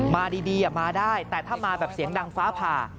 มาดีมาได้แต่ถ้ามาแบบเสียงดังฟ้าผ่า